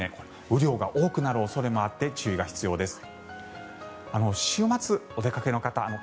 雨量が多くなる恐れもあって注意が必要です。